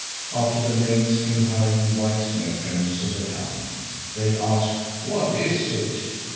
After the maids came hurrying wise matrons of the town. They asked: "What is it?